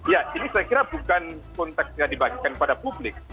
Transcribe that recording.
ya ini saya kira bukan konteksnya dibagikan kepada publik